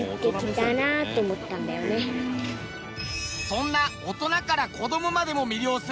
そんな大人から子どもまでも魅了する